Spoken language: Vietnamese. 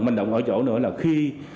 manh động ở chỗ nữa là khi